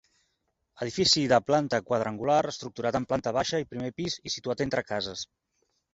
Edifici de planta quadrangular, estructurat en planta baixa i primer pis i situat entre cases.